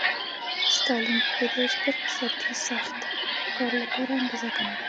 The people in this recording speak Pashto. ستالین پوهېده چې په اقتصاد کې د سخت کار لپاره انګېزه کمه ده